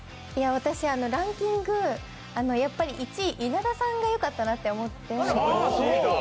私、ランキング、やっぱり１位、稲田さんがよかったなって思って。